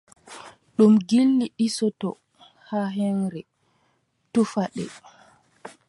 Ɗum gilɗi ɗisotoo haa heŋre, tufa nde.